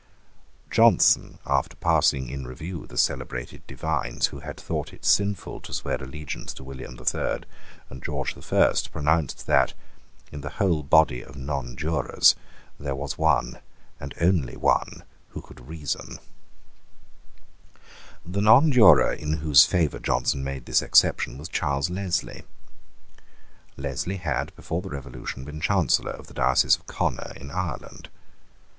Johnson, after passing in review the celebrated divines who had thought it sinful to swear allegiance to William the Third and George the First, pronounced that, in the whole body of nonjurors, there was one, and one only, who could reason, The nonjuror in whose favour Johnson made this exception was Charles Leslie. Leslie had, before the Revolution, been Chancellor of the diocese of Connor in Ireland.